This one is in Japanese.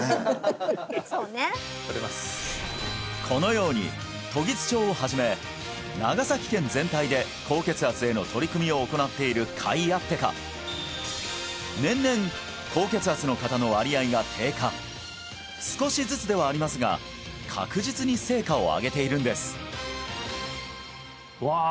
このように時津町をはじめ長崎県全体で高血圧への取り組みを行っている甲斐あってか年々高血圧の方の割合が低下少しずつではありますが確実に成果を上げているんですわ